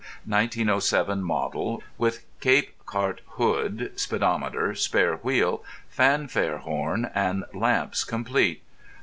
1907 model, with Cape cart hood, speedometer, spare wheel, fanfare horn, and lamps complete.